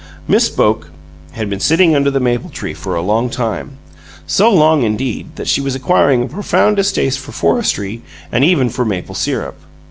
Miss Boke had been sitting under the mapletree for a long time so long, indeed, that she was acquiring a profound distaste for forestry and even for maple syrup.